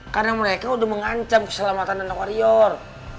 karena mereka udah mengancam keselamatan anak warrior